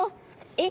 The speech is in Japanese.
えっ！？